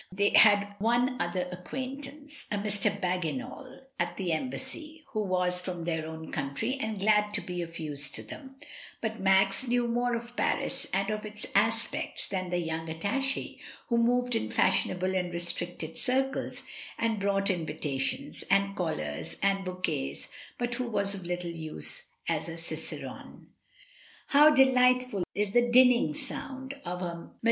They had one other acquaintance, a Mr. Bagginal, at the Embassy, who was from their own county and glad to be of use to them; but Max knew more of Paris and of its aspects than the young attach6, who moved in fashionable and restricted circles, and brought invitations, and callers, and bouquets, but who was of little use as a cicerone. ... How delightful is the dinning sound of a melo 58 MRS.